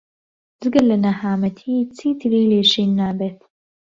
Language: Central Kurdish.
جگە لە نەهامەتی چیتری لێ شین نابیت.